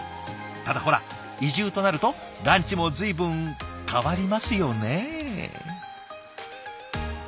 ただほら移住となるとランチも随分変わりますよね？